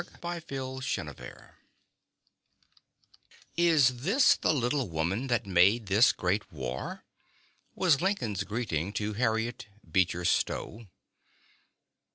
THE WOMAN WHO UNDERSTANDS "Is this the little woman that made this great war?" was Lincoln's greeting to Harriet Beecher Stowe.